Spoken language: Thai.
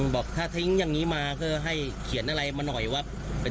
บอกถ้าทิ้งอย่างนี้มาก็ให้เขียนอะไรมาหน่อยว่าเป็น